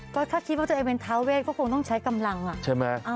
ก็ถ้าคิดว่าเธอเป็นเท้าเวทก็คงต้องใช้กำลังอ่ะใช่ไหมอ่า